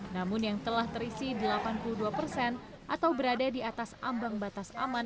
namun yang telah terisi delapan puluh dua persen atau berada di atas ambang batas aman